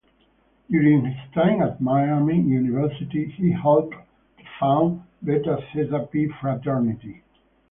During his time at Miami University, he helped to found Beta Theta Pi fraternity.